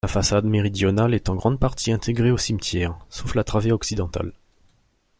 La façade méridionale est en grande partie intégrée au cimetière, sauf la travée occidentale.